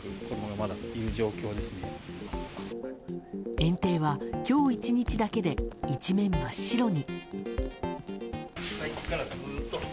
園庭は今日１日だけで一面真っ白に。